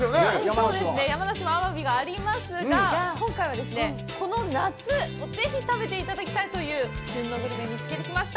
そうですね、山梨にもアワビがありますが、今回は、この夏、ぜひ食べていただきたいという旬のグルメ、見つけてきました。